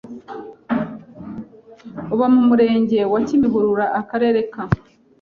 uba mu Murenge wa Kimihurura Akarere ka